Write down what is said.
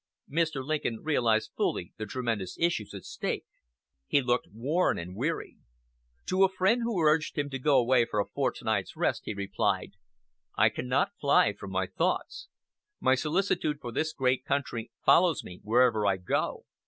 Mr. Lincoln realized fully the tremendous issues at stake. He looked worn and weary. To a friend who urged him to go away for a fortnight's rest, he replied, "I cannot fly from my thoughts. My solicitude for this great country follows me wherever I go.